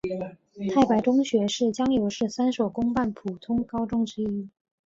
太白中学是江油市三所公办普通高中之一。